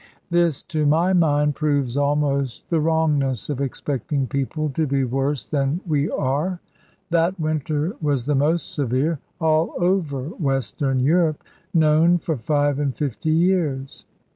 This to my mind proves almost the wrongness of expecting people to be worse than we are. That winter was the most severe, all over Western Europe, known for five and fifty years.